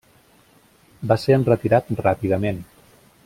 Va ser enretirat ràpidament.